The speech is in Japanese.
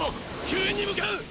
救援に向かう！